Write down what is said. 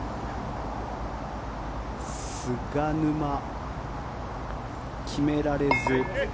菅沼、決められず。